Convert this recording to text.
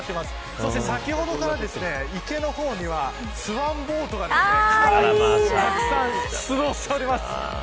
そして先ほどから池の方にはスワンボートがたくさん出動しております。